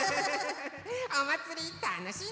おまつりたのしんでね！